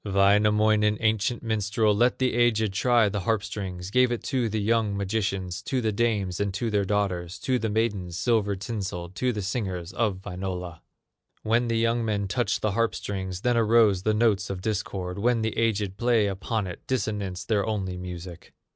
Wainamoinen, ancient minstrel, Let the aged try the harp strings, Gave it to the young magicians, To the dames and to their daughters, To the maidens, silver tinselled, To the singers of Wainola. When the young men touched the harp strings, Then arose the notes of discord; When the aged played upon it, Dissonance their only music.